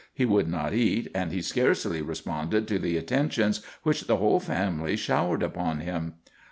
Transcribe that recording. He would not eat, and he scarcely responded to the attentions which the whole family showered upon him.